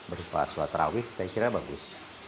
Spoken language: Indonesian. berupa sholat terawih saya kira bagus